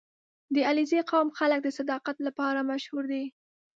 • د علیزي قوم خلک د صداقت لپاره مشهور دي.